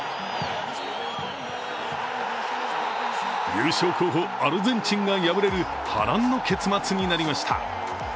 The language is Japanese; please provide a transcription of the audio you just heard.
優勝候補・アルゼンチンが敗れる波乱の結末になりました。